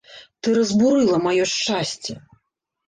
Ты разбурыла маё шчасце.